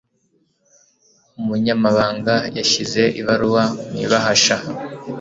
umunyamabanga yashyize ibaruwa mu ibahasha